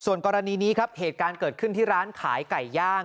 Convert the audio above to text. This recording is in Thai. กรณีนี้ครับเหตุการณ์เกิดขึ้นที่ร้านขายไก่ย่าง